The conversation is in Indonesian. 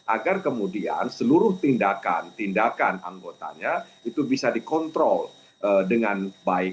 agar kemudian seluruh tindakan tindakan anggotanya itu bisa dikontrol dengan baik